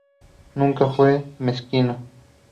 Nunca fue mezquino.